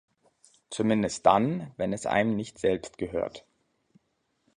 Zumindest dann, wenn es einem nicht selbst gehört.